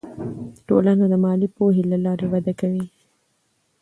ټولنه د مالي پوهې له لارې وده کوي.